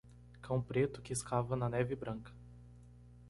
Cão preto que escava na neve branca.